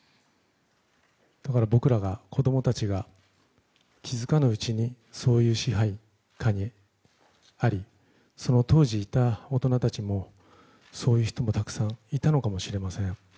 僕らが子供たちが気づかぬうちにそういう支配下にありその当時いた大人たちもそういう人もたくさんいたのかもしれません。